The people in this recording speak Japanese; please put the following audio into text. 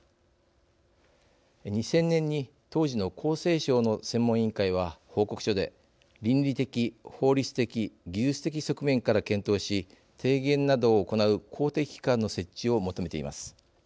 ２０００年に当時の厚生省の専門委員会は報告書で倫理的、法律的技術的側面から検討し提言などを行う公的機関の設置を求めています。